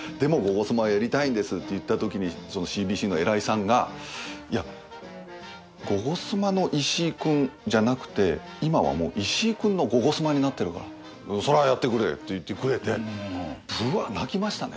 言ったときにそのＣＢＣの偉いさんがいや「ゴゴスマ」の石井くんじゃなくて今はもう石井くんの「ゴゴスマ」になってるからそれはやってくれって言ってくれてブワッ泣きましたね